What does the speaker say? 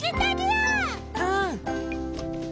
うん！